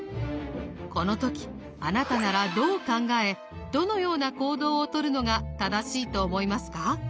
この時あなたならどう考えどのような行動をとるのが正しいと思いますか？